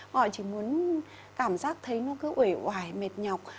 họ chỉ muốn cảm giác thấy nó cứ ủi ủi mệt nhọc